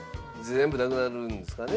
全部なくなるんですかね。